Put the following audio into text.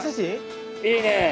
いいね！